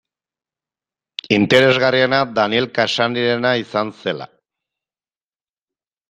Interesgarriena Daniel Cassany-rena izan zela.